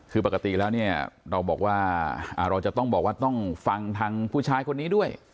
คือปกติแล้วเนี่ยเราบอกว่าเราจะต้องบอกว่าต้องฟังทางผู้ชายคนนี้ด้วย